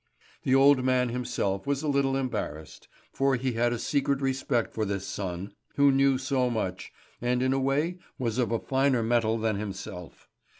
The old man himself was a little embarrassed; for he had a secret respect for this son, who knew so much, and in a way was of a finer metal than himself.